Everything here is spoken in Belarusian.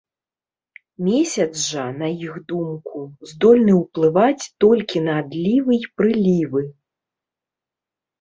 Месяц жа, на іх думку, здольны ўплываць толькі на адлівы і прылівы.